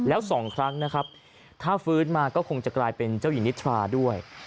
แล้วสองครั้งนะครับถ้าฟื้นมาก็คงจะกลายเป็นเจ้าหญิงนิทราด้วย